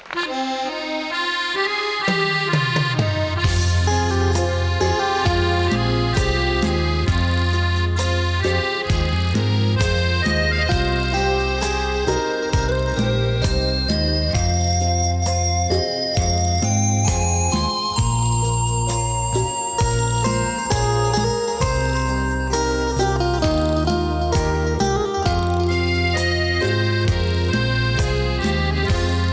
ขอบคุณมากครับ